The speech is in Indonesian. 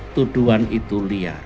tuduhan itu liar